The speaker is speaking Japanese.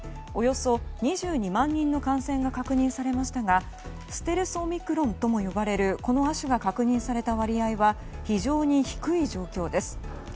およそ２２万人の感染が確認されましたがステルスオミクロンとも呼ばれるこの亜種が確認された割合は非常に低い状況です。